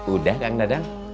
udah kang dadang